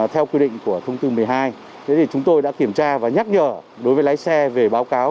theo quy định của thông tư một mươi hai chúng tôi đã kiểm tra và nhắc nhở đối với lái xe về báo cáo